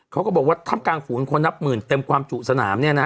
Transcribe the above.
เขาก็บอกว่าถ้ำกลางฝูงคนนับหมื่นเต็มความจุสนามเนี่ยนะ